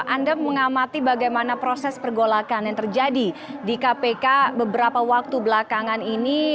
anda mengamati bagaimana proses pergolakan yang terjadi di kpk beberapa waktu belakangan ini